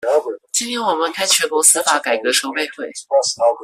今天我們開全國司法改革籌備會